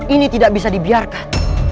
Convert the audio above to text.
ini tidak bisa dibiarkan